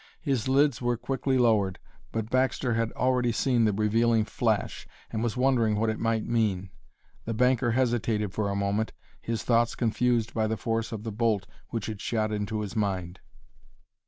His lids were quickly lowered, but Baxter had already seen the revealing flash and was wondering what it might mean. The banker hesitated for a moment, his thoughts confused by the force of the bolt which had shot into his mind.